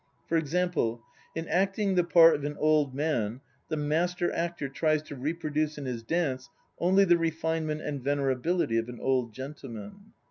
For example, in acting the part of an old man, the master actor tries to reproduce in his dance only the refinement and venerability of an old gentleman.